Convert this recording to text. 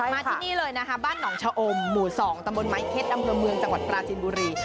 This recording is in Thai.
มาที่นี่เลยนะคะบ้านหนองชะอมหมู่๒ตำบลไม้เพชรอำเภอเมืองจังหวัดปราจินบุรี